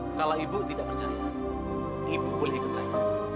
kalau ibu tidak percaya ibu boleh ikut saya